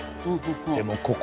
でもここで。